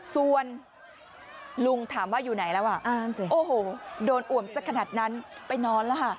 ส่วนลุงถามว่าอยู่ไหนแล้วอ่ะโอ้โหโดนอ่วมสักขนาดนั้นไปนอนแล้วค่ะ